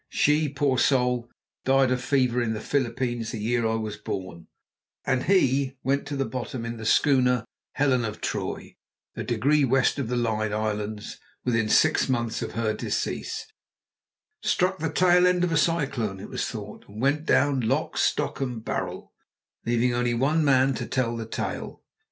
She, poor soul, died of fever in the Philippines the year I was born, and he went to the bottom in the schooner Helen of Troy, a degree west of the Line Islands, within six months of her decease; struck the tail end of a cyclone, it was thought, and went down, lock, stock, and barrel, leaving only one man to tell the tale.